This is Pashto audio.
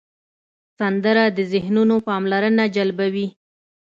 سندره د ذهنونو پاملرنه جلبوي